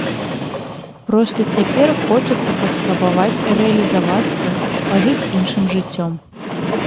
Проста цяпер хочацца паспрабаваць рэалізавацца, пажыць іншым жыццём.